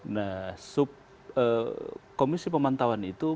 nah subkomisi pemantauan itu